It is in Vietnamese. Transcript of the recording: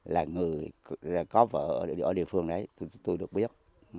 là người có vợ ở địa phương đấy tôi được biết